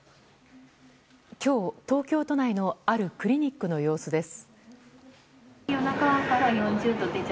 今日、東京都内のあるクリニックの様子です。